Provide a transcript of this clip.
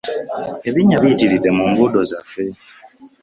Ebinnya biyitiridde mu nguddo zaffe .